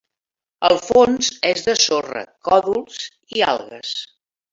El fons és de sorra, còdols i algues.